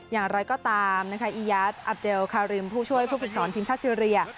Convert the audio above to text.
อย่างไรก็ตามนะคะอียาทอับเจลคาริมผู้ช่วยผู้ฝึกสอนทีมชาติซีเรีย